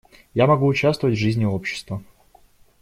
Я могу участвовать в жизни общества.